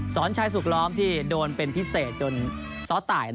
ชายสุขล้อมที่โดนเป็นพิเศษจนซ้อตาย